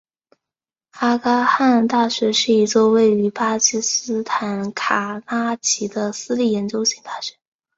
阿迦汗大学是一座位于巴基斯坦卡拉奇的私立研究型大学。